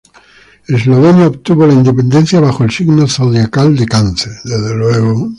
Eslovenia obtuvo la independencia bajo el signo zodiacal de Cáncer.